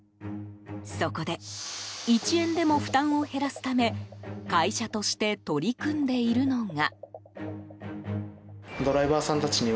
そこで１円でも負担を減らすため会社として取り組んでいるのが。